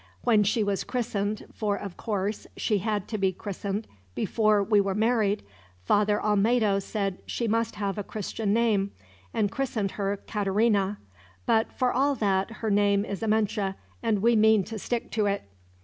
When she was christened for of course she had to be christened before we were married Father Olmedo said she must have a Christian name, and christened her Caterina; but for all that her name is Amenche, and we mean to stick to it.